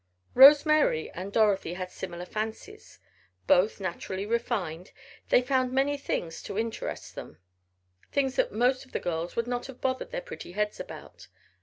Rose Mary and Dorothy had similar fancies. Both naturally refined, they found many things to interest them things that most of the girls would not have bothered their pretty heads about.